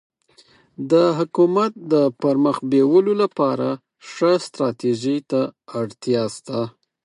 د حکومت د پرمخ بیولو لپاره ښه ستراتيژي ته اړتیا سته.